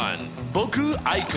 僕アイク。